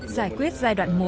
giải quyết giai đoạn một